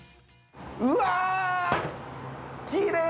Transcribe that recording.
うわぁきれい！